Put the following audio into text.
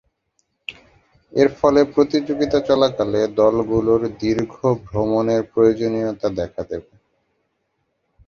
এর ফলে প্রতিযোগিতা চলাকালে দলগুলোর দীর্ঘ ভ্রমণের প্রয়োজনীয়তা দেখা দেবে।